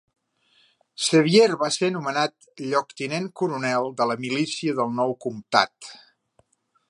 Sevier va ser nomenat lloctinent-coronel de la milícia del nou comtat.